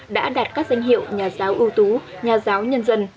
đã đạt các danh hiệu nhà giáo ưu tú nhà giáo nhân dân